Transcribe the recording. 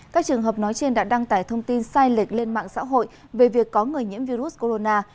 các trường hợp nói trên đã đăng tải thông tin sai lệch lên mạng xã hội về việc có người nhiễm virus corona